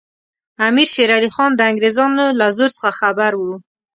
امیر شېر علي خان د انګریزانو له زور څخه خبر وو.